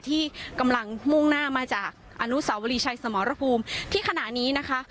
ที่กำลังมุ่งหน้ามาจากอนุสาวรีชัยสมรภูมิที่ขณะนี้นะคะ